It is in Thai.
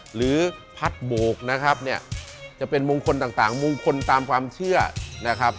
หรือพัดโบกนะครับเนี่ยจะเป็นมงคลต่างมงคลตามความเชื่อนะครับ